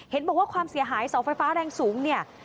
เห็นบอกว่าความเสียหายเสาไฟฟ้าแรงสูงเนี่ย